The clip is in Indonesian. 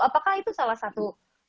apakah itu salah satu